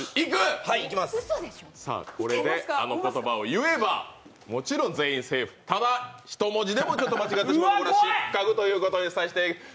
これで、あの言葉を言えば、もちろん全員セーフ、ただ人文字でも間違ってしまえば失格ということにさせていただきます。